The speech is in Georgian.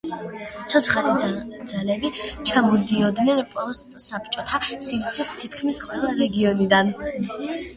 ცოცხალი ძალები ჩამოდიოდნენ პოსტ საბჭოთა სივრცის თითქმის ყველა რეგიონიდან.